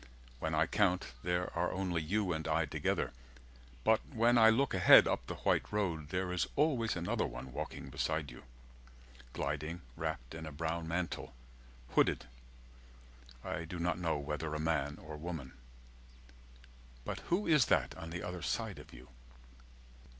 When I count, there are only you and I together 360 But when I look ahead up the white road There is always another one walking beside you Gliding wrapt in a brown mantle, hooded I do not know whether a man or a woman —But who is that on the other side of you?